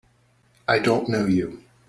I don't know you!